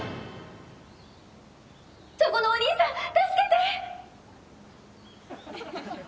・そこのお兄さん助けて！